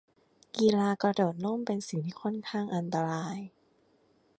กีฬากระโดดร่ม เป็นสิ่งที่ค่อนข้างอันตราย